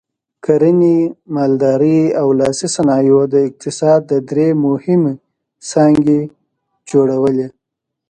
کرنې، مالدارۍ او لاسي صنایعو د اقتصاد درې مهمې څانګې جوړولې.